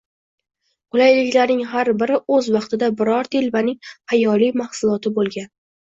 qulayliklarning har biri o‘z vaqtida biror «telba»ning xayoliy «mahsuloti» bo‘lgan.